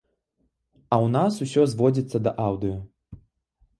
А ў нас усё зводзіцца да аўдыё.